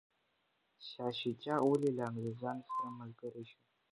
شاه شجاع ولي له انګریزانو سره ملګری شو؟